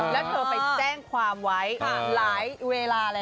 แล้วเธอไปแจ้งความไว้หลายเวลาแล้วหลายวันแล้ว